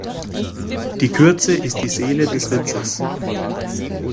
Die Kürze ist die Seele des Witzes